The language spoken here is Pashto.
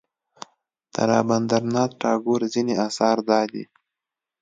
د رابندر ناته ټاګور ځینې اثار دادي.